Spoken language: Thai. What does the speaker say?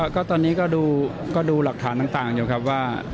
ก็ตอนนี้ก็ดูหลักฐานต่างอยู่ครับว่า